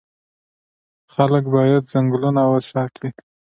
خلک باید ځنګلونه وساتي.